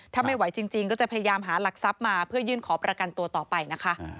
ถ้าไม่ไหวจริงก็จะพยายามหาหลักทรัพย์มาเพื่อยื่นขอประกันตัวต่อไปนะคะ